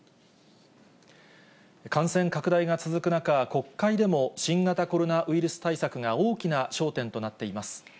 感染拡大が続く中、国会でも新型コロナウイルス対策が大きな焦点となっています。